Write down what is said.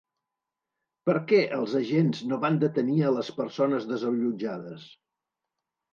Per què els agents no van detenir a les persones desallotjades?